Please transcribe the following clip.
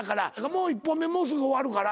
もう１本目もうすぐ終わるから。